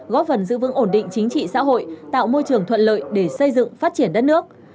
góp phần giữ vững ổn định chính trị xã hội tạo môi trường thuận lợi để xây dựng phát triển đất nước